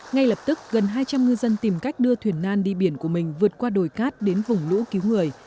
ngay lập tức gần hai trăm linh ngư dân tìm cách đưa thuyền nan đi biển của mình vượt qua đồi cát đến vùng lũ cứu người